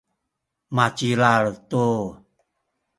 macilal tu.